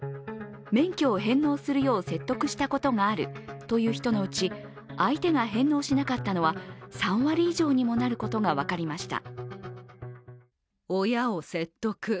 免許を返納するよう説得したことがあるという人のうち相手が返納しなかったのは３割以上にもなることが分かりました。